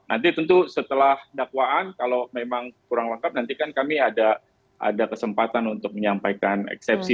nanti tentu setelah dakwaan kalau memang kurang lengkap nanti kan kami ada kesempatan untuk menyampaikan eksepsi